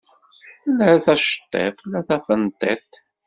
La taceṭṭiḍt la tafenṭiḍt.